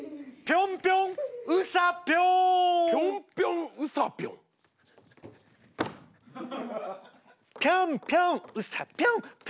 ピョンピョンウサピョンピョンピョンウサピョン。